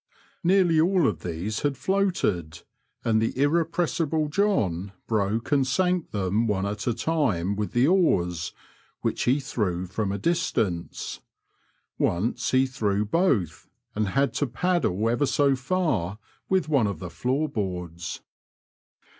Nearly all of these had floated, and the irrepressible John broke and sank them one at a time with the oars, which he threw from a distance. Once he threw both, and had to paddle ever so far with one of the floor boards.